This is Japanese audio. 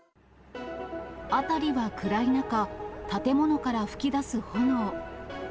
辺りは暗い中、建物から噴き出す炎。